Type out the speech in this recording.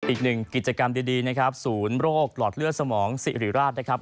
อีกหนึ่งกิจกรรมดีนะครับศูนย์โรคหลอดเลือดสมองสิริราชนะครับ